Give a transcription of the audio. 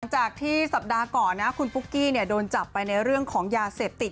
จากที่สัปดาห์ก่อนนะคุณปุ๊กกี้โดนจับไปในเรื่องของยาเสพติด